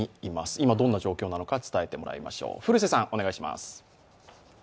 今どんな状況なのか伝えてもらいましょう。